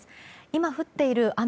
今降っている雨